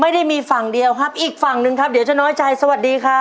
ไม่ได้มีฝั่งเดียวครับอีกฝั่งหนึ่งครับเดี๋ยวจะน้อยใจสวัสดีครับ